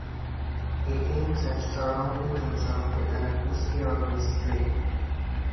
He aims at surrounding himself with an atmosphere of mystery.